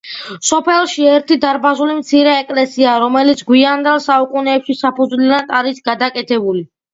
სოფელში ერთი დარბაზული მცირე ეკლესიაა, რომელიც გვიანდელ საუკუნეებში საფუძვლიანად არის გადაკეთებული.